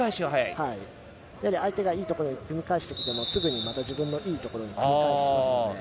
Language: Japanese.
やはり相手がいいところで組み返してきてもすぐにまた自分のいいところに組み返しますので。